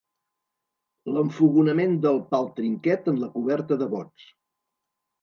L'enfogonament del pal trinquet en la coberta de bots.